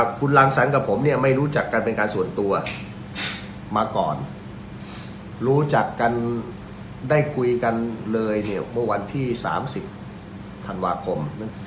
คุณรังสรรค์กับผมเนี่ยไม่รู้จักกันเป็นการส่วนตัวมาก่อนรู้จักกันได้คุยกันเลยเนี่ยเมื่อวันที่๓๐ธันวาคม